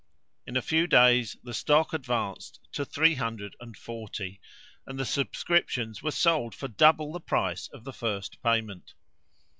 In a few days the stock advanced to three hundred and forty, and the subscriptions were sold for double the price of the first payment.